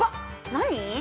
何？